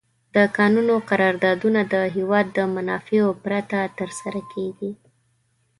د کانونو قراردادونه د هېواد د منافعو پرته تر سره کیږي.